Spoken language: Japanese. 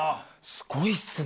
すごいっすね。